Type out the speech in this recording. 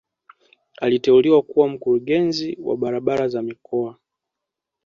Aliteuliwa kuwa mkurugenzi wa barabara za mikoa